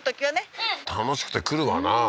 楽しくて来るわなぁ。